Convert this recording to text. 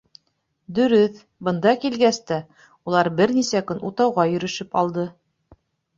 Дөрөҫ, бында килгәс тә, улар бер нисә көн утауға йөрөшөп алды.